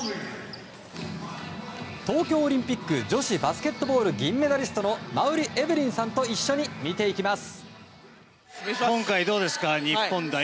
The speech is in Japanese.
東京オリンピック女子バスケットボール銀メダリストの馬瓜エブリンさんと一緒に見ていきます。